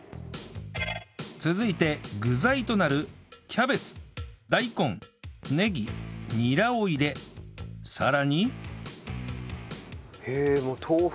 続いて具材となるキャベツ大根ネギニラを入れさらにへえもう豆腐。